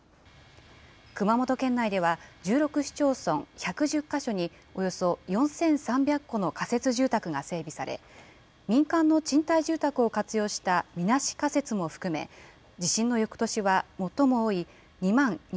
熊本県内では、１６市町村１１０か所に、およそ４３００戸の仮設住宅が整備され、民間の賃貸住宅を活用したみなし仮設も含め、地震のよくとしは最も多い２万２５５